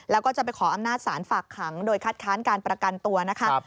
แล้วก็จะไปขออำนาจศาลฝากขังโดยคัดค้านการประกันตัวนะคะ